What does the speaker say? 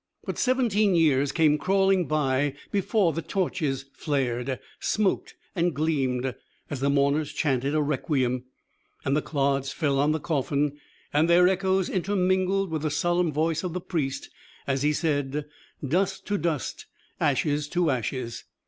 But seventeen years came crawling by before the torches flared, smoked and gleamed as the mourners chanted a requiem, and the clods fell on the coffin, and their echoes intermingled with the solemn voice of the priest as he said, "Dust to dust, ashes to ashes."